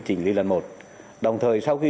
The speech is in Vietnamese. chỉnh lý lần một đồng thời sau khi